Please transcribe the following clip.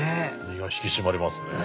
身が引き締まりますね。